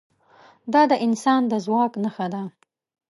دا د انسان د ځواک نښه ده.